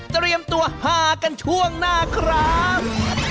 เตรียมตัวหากันช่วงหน้าครับ